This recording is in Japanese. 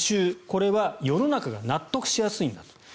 これは世の中が納得しやすいんだと。